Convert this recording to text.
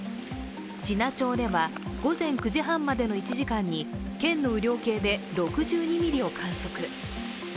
知名町では午前９時半までの１時間に県の雨量計で６２ミリを観測。